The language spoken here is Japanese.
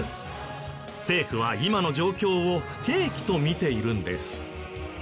政府は今の状況を不景気と見ているんです。